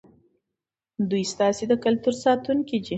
دوی ستاسې د کلتور ساتونکي دي.